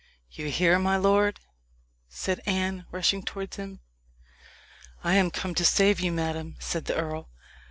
"You here, my lord?" said Anne, rushing towards him. "I am come to save you, madame," said the earl.